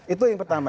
itu yang pertama